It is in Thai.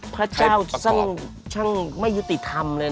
พระเจ้าช่างไม่ยุติธรรมเลย